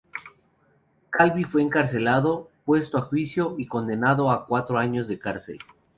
Calvi fue encarcelado, puesto a juicio, y condenado a cuatro años de cárcel.